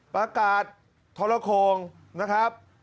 ประกาศทรโคงนะครับ